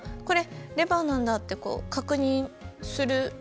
これレバーなんだって確認する。